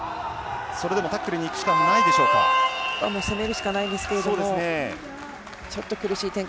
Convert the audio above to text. それでもタックルに行くしかないでしょうか。